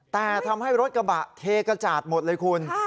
แต่ทำให้รถกระบะเทกระจาดหมดเลยคุณ